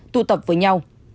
tụ tập với nhau